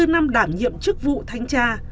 hai mươi năm đảm nhiệm chức vụ thanh tra